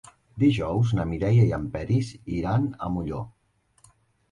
Dijous na Mireia i en Peris iran a Molló.